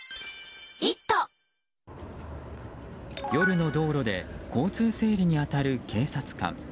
夜の道路で交通整理に当たる警察官。